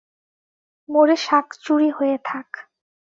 মরে শাকচুরি হয়ে থাক।